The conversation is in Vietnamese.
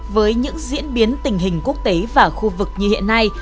với những diễn biến tình hình quốc tế và khu vực như hiện nay